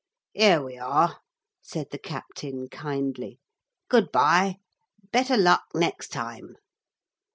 'Here we are,' said the captain kindly. 'Good bye. Better luck next time.'